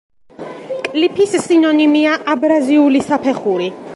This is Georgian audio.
კლიფის სინონიმია აბრაზიული საფეხური.